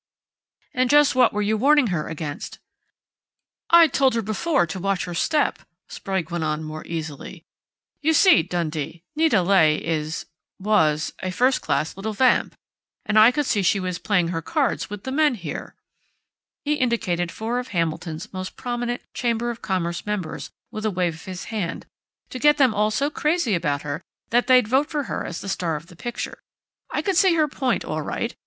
"And just what were you warning her against?" "I'd told her before to watch her step," Sprague went on more easily. "You see, Dundee, Nita Leigh is was a first class little vamp, and I could see she was playing her cards with the men here " he indicated four of Hamilton's most prominent Chamber of Commerce members with a wave of his hand "to get them all so crazy about her that they'd vote for her as the star of the picture. I could see her point, all right.